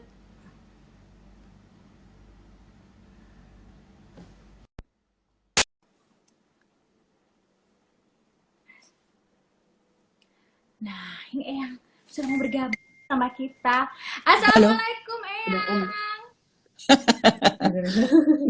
hai nah ini yang sering bergabung sama kita assalamualaikum